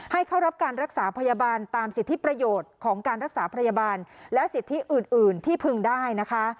ให้เข้ารับการรักษาพยาบาลตามสิทธิประโยชน์ของการรักษาพยาบาลและสิทธิอื่นที่พึงได้นะคะ